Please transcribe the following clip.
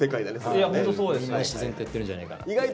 みんな自然とやってるんじゃないかな。